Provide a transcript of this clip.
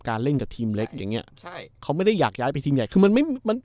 เล่นกับทีมเล็กอย่างเงี้ยใช่เขาไม่ได้อยากย้ายไปทีมใหญ่คือมันไม่มัน